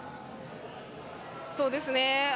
そうですね。